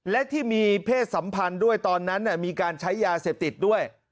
และที่มีเพศสัมพันธ์ด้วยตอนนั้นมีการใช้ยาเสพติดด้วย